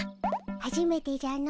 はじめてじゃの。